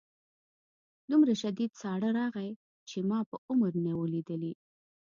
دومره شدید ساړه راغی چې ما په عمر نه و لیدلی